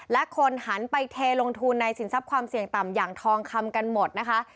และคนหันไปเทลงทุนในสินทรัพย์ความเสี่ยงต่ำอย่างทองคำกันหมดนะคะ